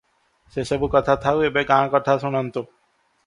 ସେସବୁ କଥା ଥାଉ, ଏବେ ଗାଁକଥା ଶୁଣନ୍ତୁ ।